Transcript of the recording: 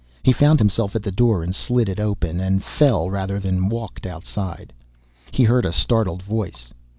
He found himself at the door and slid it open and fell rather than walked inside. He heard a startled voice.